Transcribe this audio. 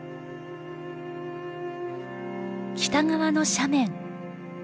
北側の斜面。